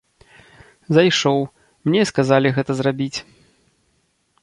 Зайшоў, мне і сказалі гэта зрабіць.